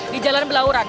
di jalan belahuran